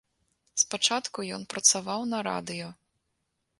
Спачатку ён працаваў на радыё.